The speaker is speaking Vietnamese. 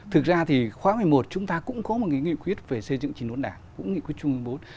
thực ra thì khóa một mươi một chúng ta cũng có một cái nghị quyết về xây dựng chính đốn đảng cũng nghị quyết trung ương bốn